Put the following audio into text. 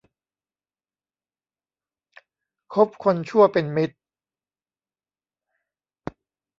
คบคนชั่วเป็นมิตร